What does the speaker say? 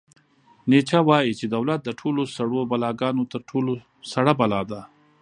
نیچه وایي چې دولت د ټولو سړو بلاګانو تر ټولو سړه بلا ده.